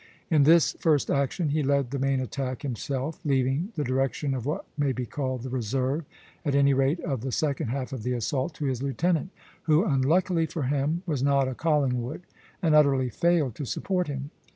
In this first action he led the main attack himself, leaving the direction of what may be called the reserve at any rate, of the second half of the assault to his lieutenant, who, unluckily for him, was not a Collingwood, and utterly failed to support him.